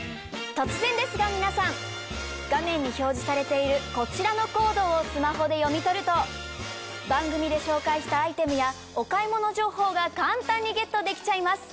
突然ですが皆さん画面に表示されているこちらのコードをスマホで読み取ると番組で紹介したアイテムやお買い物情報が簡単にゲットできちゃいます！